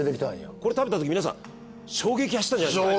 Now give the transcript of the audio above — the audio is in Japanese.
これ食べたとき皆さん衝撃走ったんじゃないですか？